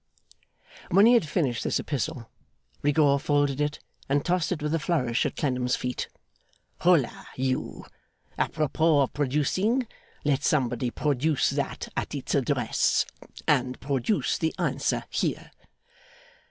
When he had finished this epistle, Rigaud folded it and tossed it with a flourish at Clennam's feet. 'Hola you! Apropos of producing, let somebody produce that at its address, and produce the answer here.